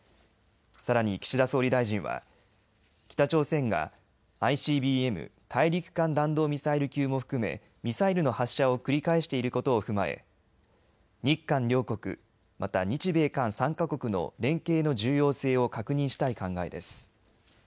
さらに岸田総理大臣は北朝鮮がＩＣＢＭ・大陸間弾道ミサイル級も含めミサイルの発射を繰り返していることを踏まえ日韓両国、また日米韓３か国の連携の重要性を確認したい考えです。